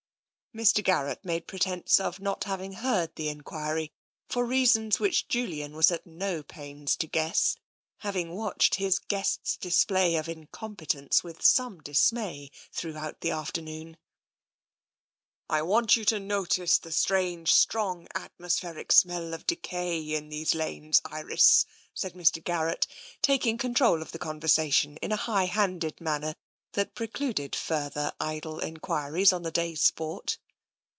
Mr. Garrett made pretence of not having heard the enquiry, for reasons which Julian was at no pains to guess, having watched his guest's display of incompe tence with some dismay throughout the afternoon. " I want you to notice the strange, strong atmos pheric smell of decay in these lanes. Iris," said Mr. Garrett, taking control of the conversation in a high handed manner that precluded further idle enquiries on the day's sport.